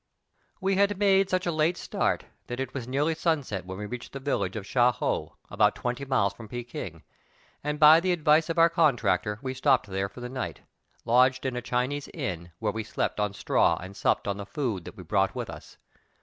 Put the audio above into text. We had made such a late start that it was nearly sunset when we reached the village of Sha Ho, about twenty miles from Pekin, and by the advice of our contractor we stopped there for the night, lodging in a Chinese inn, where we slept 6n straw and supped on the food that we brought with us.